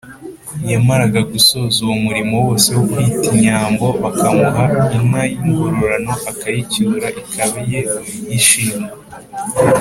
yamaraga gusoza uwo murimo wose wo kwita inyambo bakamuha inka y’ingororano akayicyura ikaba iye y’ishimwe.